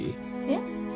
えっ？